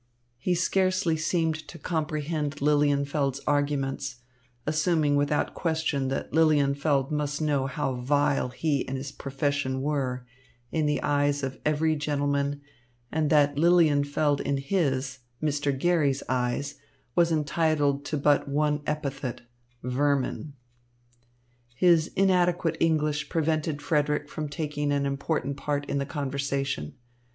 He scarcely seemed to comprehend Lilienfeld's arguments, assuming without question that Lilienfeld must know how vile he and his profession were in the eyes of every gentleman and that Lilienfeld in his, Mr. Garry's, eyes was entitled to but one epithet, "vermin." His inadequate English prevented Frederick from taking an important part in the conversation.